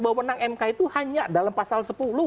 bahwa menang mk itu hanya dalam pasal sepuluh